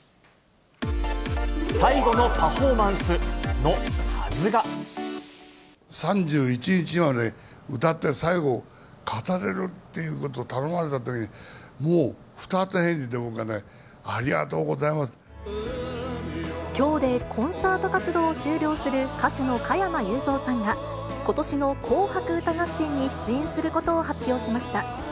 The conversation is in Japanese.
最後のパフォーマンス、３１日まで歌って最後、語れるっていうことを頼まれたとき、もう二つ返事で僕はね、きょうでコンサート活動を終了する歌手の加山雄三さんが、ことしの紅白歌合戦に出演することを発表しました。